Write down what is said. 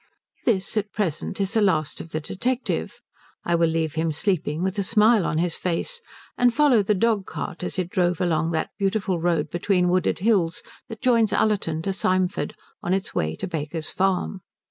This, at present, is the last of the detective. I will leave him sleeping with a smile on his face, and follow the dog cart as it drove along that beautiful road between wooded hills that joins Ullerton to Symford, on its way to Baker's Farm.